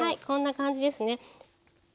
こんな感じですね。